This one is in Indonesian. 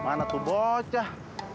mana tuh bocah